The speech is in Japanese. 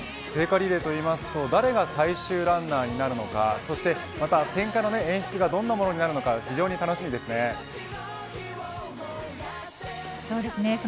聖火リレーというと誰が最終ランナーになるのか点火の演出がどんなものになるのか非常に楽しみですね。